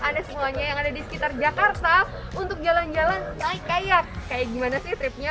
anda semuanya yang ada di sekitar jakarta untuk jalan jalan naik kayak kayak gimana sih tripnya